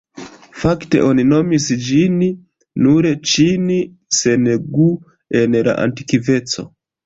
Fakte oni nomis ĝin nur ĉin sen gu en la antikveco.